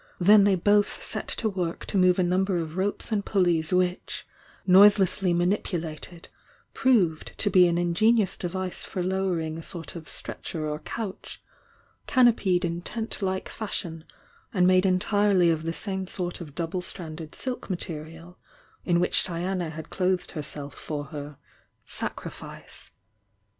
Then they both set to work to move a number ot ropes and pulleys which, noiselessly manipu kted proved to be an ingenious device for lowering a sort of stretcher or couch, canopied m tent like fashion and made entirely of the same sort of dou ble stranded silk material in which Diana h^ clothed herself for her "sacrifice."